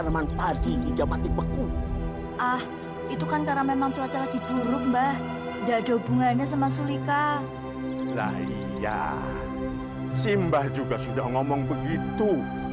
lah iya si mbah juga sudah ngomong begitu